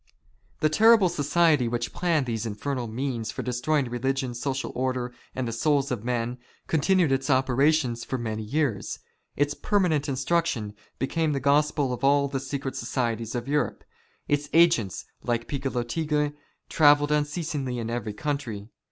The terrible society which planned these infernal means for destroying religion, social order, and the souls of men, continued its operations for many years. Its " permanent instruction " became the Gospel of all the secret societies of Europe. Its agents, like Piccolo Tigre, travelled unceasingly in every country.